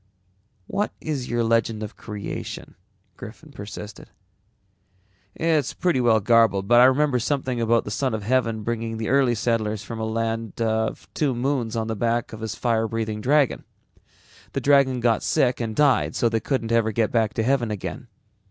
"What is your legend of creation?" Griffin persisted. "It's pretty well garbled but I remember something about the Son of Heaven bringing the early settlers from a land of two moons on the back of his fire breathing dragon. The dragon got sick and died so they couldn't ever get back to heaven again.